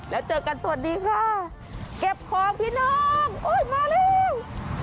แล้วเจอกันสวัสดีค่ะเก็บของพี่น้องโอ้ยมาแล้ว